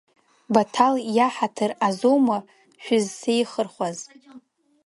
Баҭал иаҳаҭыр азоума шәызсеихырхәаз?